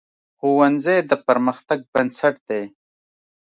ښوونځی د پرمختګ بنسټ دی